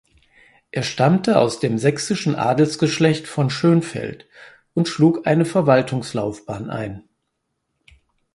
Er stammte aus dem sächsischen Adelsgeschlecht von Schönfeldt und schlug eine Verwaltungslaufbahn ein.